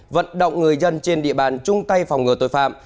vận động người dân trên địa bàn chung tay phòng ngừa tội phạm